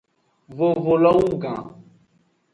Vovo lo wugan.